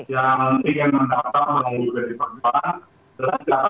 yang ingin mendatang melalui pemerintah perjalanan